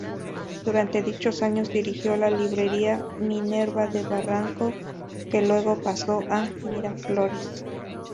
Durante dichos años dirigió la Librería Minerva de Barranco, que luego pasó a Miraflores.